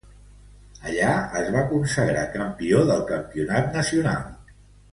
Allà es va consagrar campió del Campionat Nacional.